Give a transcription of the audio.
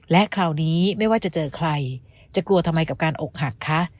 และคราวนี้ไม่ว่าจะเจอใครจะกลัวทำไมกับการอกหักคะ